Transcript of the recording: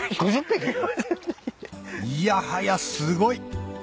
５０匹⁉いやはやすごい！